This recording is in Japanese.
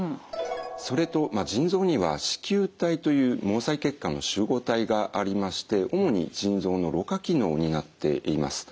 それと腎臓には糸球体という毛細血管の集合体がありまして主に腎臓のろ過機能を担っています。